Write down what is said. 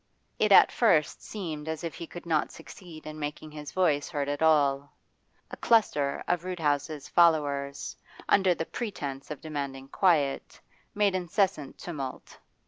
It at first seemed as if he could not succeed in making his voice heard at all. A cluster of Roodhouse's followers, under the pretence of demanding quiet, made incessant tumult.